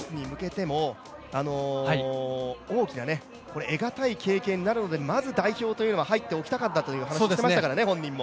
大きな得がたい経験になるのでまず代表というのは入っておきたかったという話をしていましたからね、本人も。